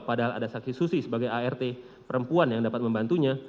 padahal ada saksi susi sebagai art perempuan yang dapat membantunya